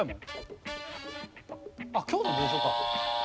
あっ京都の豪商か。